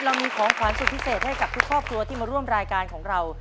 เรามีของขวานสุดพิเศษให้กับทุกครอบครัวที่มาร่วมรายการของเรา